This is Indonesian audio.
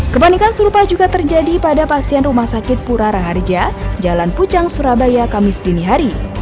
kepanikan serupa juga terjadi pada pasien rumah sakit pura raharja jalan pucang surabaya kamis dinihari